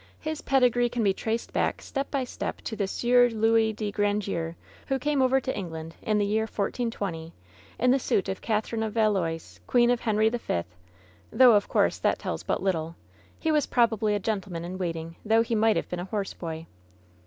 "His pedigree can be traced back, step by step, to the Sieur Louis de Grandiere, who came over to England in the year 1420, in the suit of Katherine of Valois, queen of Henry the Fifth ; though, of course, that tells but little. He was probably a gentleman in waiting, though he might have been a horse boy